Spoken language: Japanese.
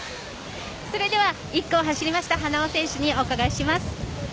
それでは１区を走りました花尾選手にお伺いします。